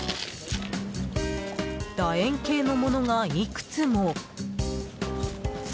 楕円形のものがいくつも。